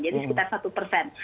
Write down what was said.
jadi sekitar satu persen